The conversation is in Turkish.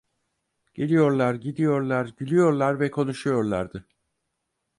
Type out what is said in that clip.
Geliyorlar, gidiyorlar, gülüyorlar ve konuşuyorlardı.